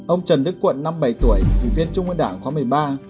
ông trần đức quận năm bảy tuổi vị viên trung ương đảng khoa một mươi ba